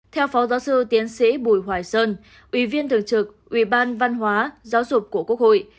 theo phó giáo sư tiến sĩ bùi hoài sơn ủy viên thường trực ủy ban văn hóa giáo dục của quốc hội